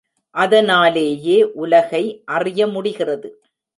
அதனாலேயே உலகை அறிய முடிகிறது.